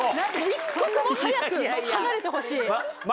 一刻も早く離れてほしい。